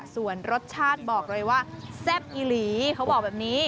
ส่วนรสชาติบอกเลยว่าแซ่บอีหลีเขาบอกแบบนี้